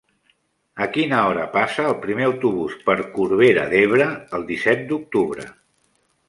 A quina hora passa el primer autobús per Corbera d'Ebre el disset d'octubre?